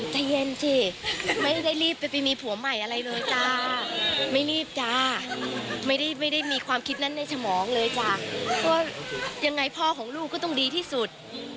ว่ายังไงพ่อของลูกก็ต้องดีที่สุด